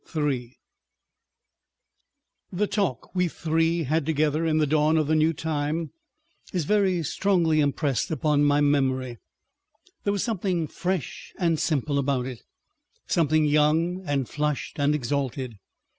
§ 2 The talk we three had together in the dawn of the new time is very strongly impressed upon my memory. There was something fresh and simple about it, something young and flushed and exalted.